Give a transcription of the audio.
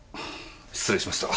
失礼しました。